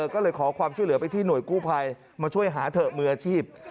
ก็เลยขอความช่วยเหลือไปที่หน่วยกู้ภัยมาช่วยหาเถอะมืออาชีพ